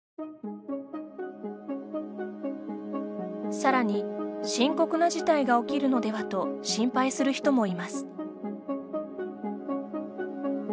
さらに、深刻な事態が起きるのではと心配する人もいます。